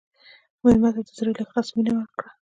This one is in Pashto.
مېلمه ته د زړه له اخلاصه مینه ورکړه.